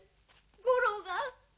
五郎が。